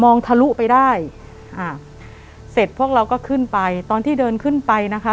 ทะลุไปได้อ่าเสร็จพวกเราก็ขึ้นไปตอนที่เดินขึ้นไปนะคะ